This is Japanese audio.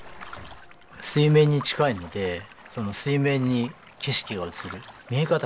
水面に近いのでその水面に景色が映る見え方が違うんですよね。